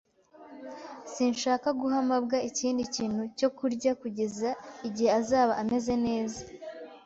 Sinshaka guha mabwa ikindi kintu cyo kurya kugeza igihe azaba ameze neza.